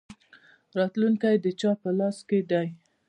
راتلونکی د چا په لاس کې دی؟